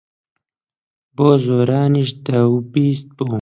بۆ زۆرانیش دە و بیست بوو.